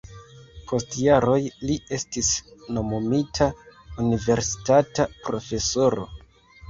Post jaroj li estis nomumita universitata profesoro.